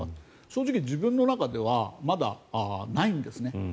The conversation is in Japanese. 正直、自分の中ではまだないんですね。